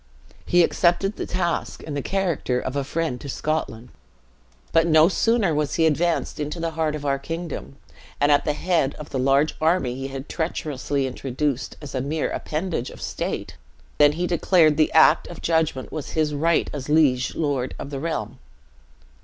He accepted the task, in the character of a friend to Scotland; but no sooner was he advanced into the heart of our kingdom, and at the head of the large army he had treacherously introduced as a mere appendage of state, than he declared the act of judgement was his right as liege lord of the realm!